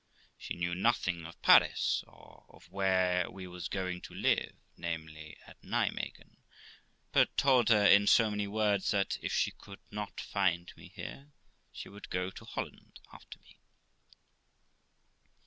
She knew nothing of Paris, or of where we was going to live, namely, at Nimeguen; but told her in so many words that if she could not find me here, she would go to Holland after me.